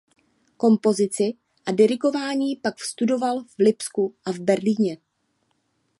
Kompozici a dirigování pak studoval v Lipsku a v Berlíně.